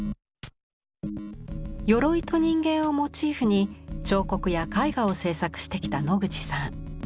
よろいと人間をモチーフに彫刻や絵画を制作してきた野口さん。